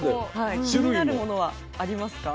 気になるものはありますか？